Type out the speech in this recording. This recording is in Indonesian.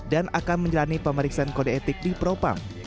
dan akan menjalani pemeriksaan kode etik di peropang